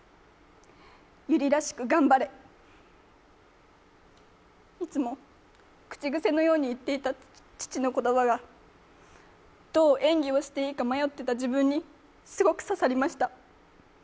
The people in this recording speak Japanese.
友梨らしく頑張れ、いつも口癖のように言っていた父の言葉がどう演技をしていた迷っていた自分にすごく刺さりました。